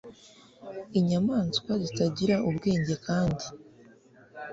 Inyamaswa zitagira ubwenge kandi